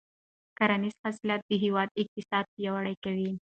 کرنیز حاصلات د هېواد اقتصاد پیاوړی کوي.